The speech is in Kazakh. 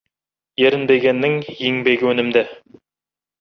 Ерінбегеннің еңбегі өнімді.